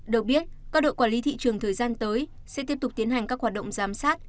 được biết các đội quản lý thị trường thời gian tới sẽ tiếp tục tiến hành các hoạt động giám sát